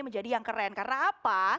menjadi yang keren karena apa